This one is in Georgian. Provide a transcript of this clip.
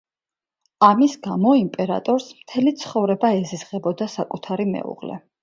ამის გამო, იმპერატორს მთელი ცხოვრება ეზიზღებოდა საკუთარი მეუღლე.